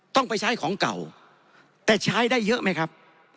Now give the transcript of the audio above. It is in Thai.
ต้องไปใช้ของเก่าแต่ใช้ได้เยอะไหมครับ